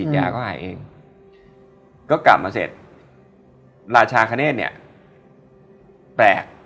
ยาก็หายเองก็กลับมาเสร็จราชาคเนธเนี่ยแปลก